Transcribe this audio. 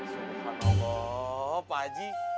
subhanallah pak waji